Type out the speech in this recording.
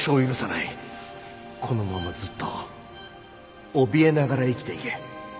このままずっとおびえながら生きていけ